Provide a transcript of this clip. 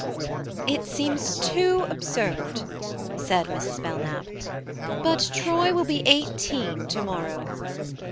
IT seems too absurd," said Mrs. Belknap ; "but Troy will be eighteen to morrow.